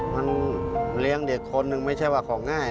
มันเลี้ยงเด็กคนหนึ่งไม่ใช่ว่าของง่าย